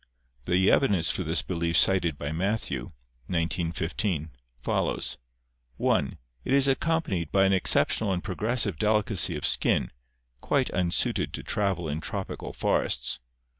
THE EVOLUTION OF MAN 657 evidence for this belief cited by Matthew (1915) follows: "(1) It is accompanied by an exceptional and progressive delicacy of skin, quite unsuited to travei in tropical forests.